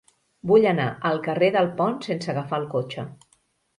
Vull anar al carrer del Pont sense agafar el cotxe.